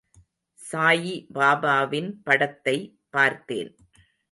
சாயிபாபாவின் படத்தை பார்த்தேன்.